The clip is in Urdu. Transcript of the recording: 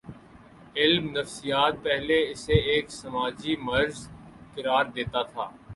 علم نفسیات پہلے اسے ایک سماجی مرض قرار دیتا تھا۔